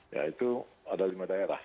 ya itu ada lima daerah